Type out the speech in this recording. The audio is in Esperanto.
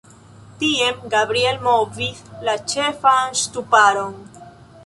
Tien Gabriel movis la ĉefan ŝtuparon.